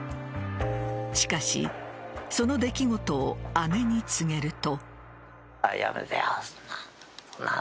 しかしその出来事を姉に告げると。